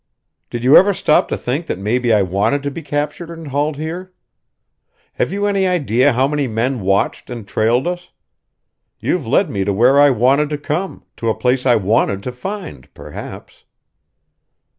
"Did you ever stop to think that maybe I wanted to be captured and hauled here? Have you any idea how many men watched and trailed us? You've led me to where I wanted to come, to a place I wanted to find, perhaps."